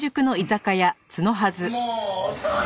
もう遅い！